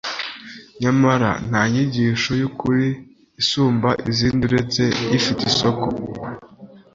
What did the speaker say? nyamara nta nyigisho y'ukuri isumba izindi uretse ifite isoko